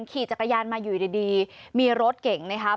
ขี่จักรยานมาอยู่ดีมีรถเก่งนะครับ